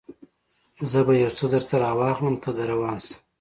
زه به یو څه درته راواخلم، ته در روان شه.